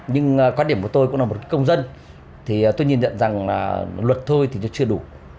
nhưng quan điểm của tôi cũng là một công dân tôi nhìn nhận rằng luật thôi thì chưa đủ